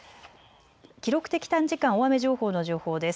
記録的短時間大雨情報の情報です。